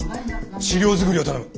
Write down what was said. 資料作りを頼む。